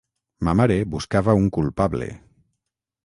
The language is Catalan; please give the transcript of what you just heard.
Ma mare buscava un culpable...